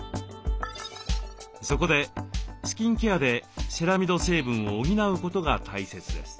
そこでスキンケアでセラミド成分を補うことが大切です。